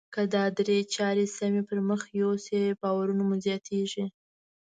که دا درې چارې سمې پر مخ يوسئ باور مو زیاتیږي.